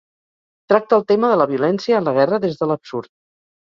Tracta el tema de la violència en la guerra des de l'absurd.